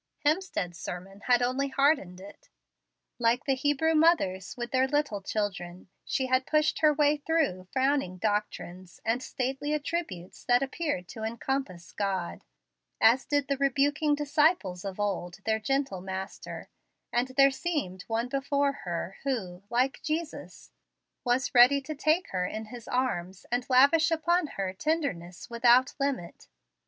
Hemstead's sermon had only hardened it. Like the Hebrew mothers with their little children, she had pushed her way through frowning doctrines and stately attributes that appeared to encompass God, as did the rebuking disciples of old their gentle Master; and there seemed One before her who, like Jesus, was ready to take her in His arms and lavish upon her tenderness without limit.